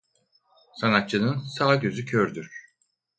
Sanatçının sağ gözü kördür.